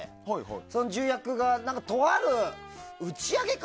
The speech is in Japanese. その重役がとある打ち上げか